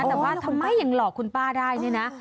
แต่ว่าทำไมยังหลอกคุณป้าได้นี่นะ